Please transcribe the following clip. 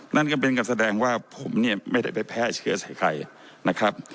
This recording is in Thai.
นั่นก็เป็นการแสดงว่าผมเนี่ยไม่ได้ไปแพร่เชื้อใส่ใครนะครับ